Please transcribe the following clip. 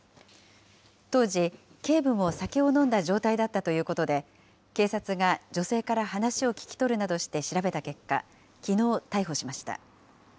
当時、警部も酒を飲んだ状態だったということで、警察が女性から話を聞き取るなどして調べた結果、きのう、逮捕しました。